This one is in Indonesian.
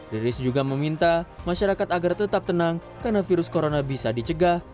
deris juga meminta masyarakat agar tetap tenang karena virus corona bisa dicegah